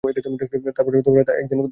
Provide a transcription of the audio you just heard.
তারপর একদিন তার কথা শুনলাম।